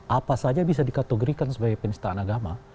apa saja bisa dikategorikan sebagai penistaan agama